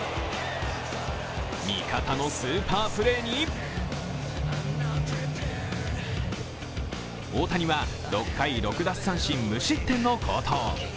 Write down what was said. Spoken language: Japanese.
味方のスーパープレーに大谷は６回６奪三振の無失点の好投。